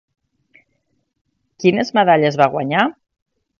Quines medalles va guanyar?